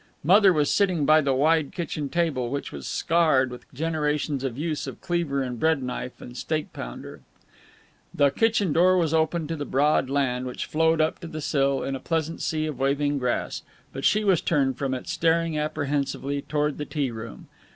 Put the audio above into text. Mother was sitting by the wide kitchen table, which was scarred with generations of use of cleaver and bread knife and steak pounder. The kitchen door was open to the broad land, which flowed up to the sill in a pleasant sea of waving grass. But she was turned from it, staring apprehensively toward the tea room.